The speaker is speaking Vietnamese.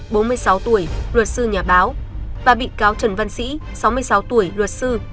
bốn mươi sáu tuổi luật sư nhà báo và bị cáo trần văn sĩ sáu mươi sáu tuổi luật sư